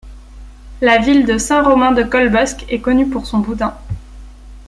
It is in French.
La ville de Saint-Romain-de-Colbosc est connue pour son boudin.